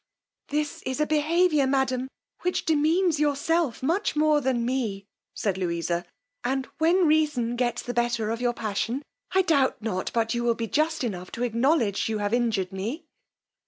This is a behaviour, madam, which demeans yourself much more than me, said Louisa, and when reason gets the better of your passion, I doubt not but you will be just enough to acknowledge you have injured me.